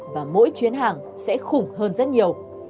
và mỗi chuyến hàng sẽ khủng hơn rất nhiều